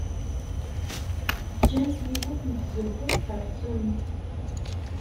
Ǧǧant yiwet n tzewwut terẓem.